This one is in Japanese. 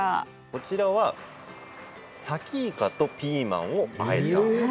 こちらは、さきいかとピーマンをあえたもの。